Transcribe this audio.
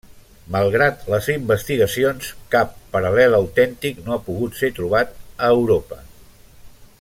Malgrat les investigacions, cap paral·lel autèntic no ha pogut ser trobat a Europa.